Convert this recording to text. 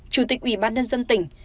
chủ tịch ủy ban nhân dân tỉnh